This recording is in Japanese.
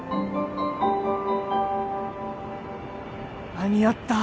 間に合った！